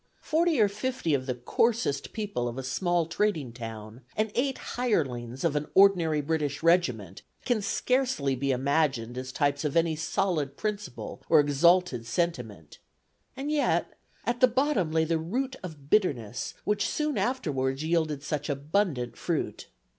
Forty or fifty of the coarsest people of a small trading town and eight hirelings of an ordinary British regiment can scarcely be imagined as types of any solid principle or exalted sentiment, and yet at the bottom lay the root of bitterness which soon afterwards yielded such abundant fruit.